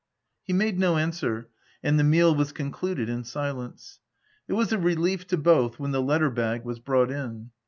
He made no answer, and the meal was con cluded in silence. It was a relief to both when the letter bag was brought in.